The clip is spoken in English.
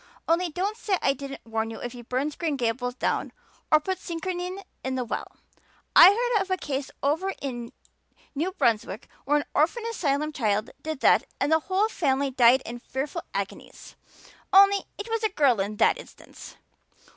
"Only don't say I didn't warn you if he burns Green Gables down or puts strychnine in the well I heard of a case over in New Brunswick where an orphan asylum child did that and the whole family died in fearful agonies. Only, it was a girl in that instance."